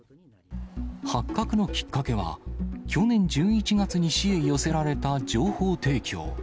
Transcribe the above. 発覚のきっかけは、去年１１月に市へ寄せられた情報提供。